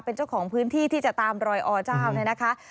เป็นเจ้าของพื้นที่ที่จะตามรอยออเจ้า